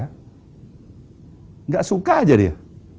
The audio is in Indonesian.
tidak suka saja dia